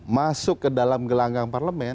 masuk ke dalam gelanggang parlemen